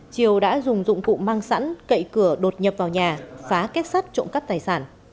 triều đã dùng dụng cụ mang sẵn cậy cửa đột nhập vào nhà phá kết sắt trộm cắp tài sản